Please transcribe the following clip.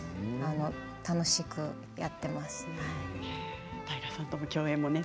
楽しくやっています。